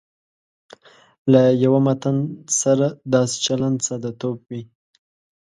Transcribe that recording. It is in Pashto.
له یوه متن سره داسې چلند ساده توب وي.